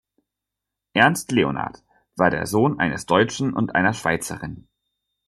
Ernst Leonhardt war der Sohn eines Deutschen und einer Schweizerin.